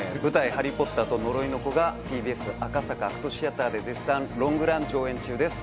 「ハリー・ポッターと呪いの子」がＴＢＳ赤坂ＡＣＴシアターで絶賛ロングラン上演中です